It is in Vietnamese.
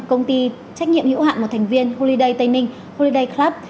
công ty trách nhiệm hữu hạn một thành viên holiday tây ninh horiday club